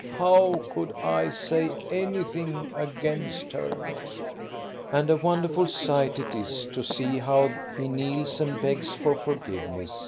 How could I say anything against her?" And a wonderful sight it is to see how he kneels and begs for forgiveness.